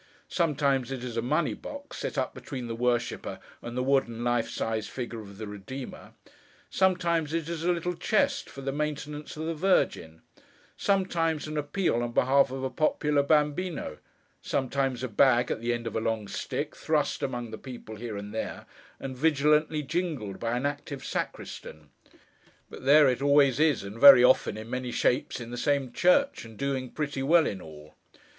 Sometimes, it is a money box, set up between the worshipper, and the wooden life size figure of the Redeemer; sometimes, it is a little chest for the maintenance of the Virgin; sometimes, an appeal on behalf of a popular Bambíno; sometimes, a bag at the end of a long stick, thrust among the people here and there, and vigilantly jingled by an active Sacristan; but there it always is, and, very often, in many shapes in the same church, and doing pretty well in all.